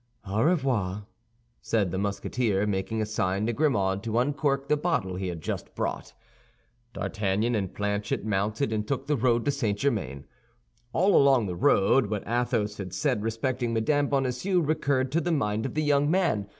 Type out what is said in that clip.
"Au revoir," said the Musketeer, making a sign to Grimaud to uncork the bottle he had just brought. D'Artagnan and Planchet mounted, and took the road to St. Germain. All along the road, what Athos had said respecting Mme. Bonacieux recurred to the mind of the young man.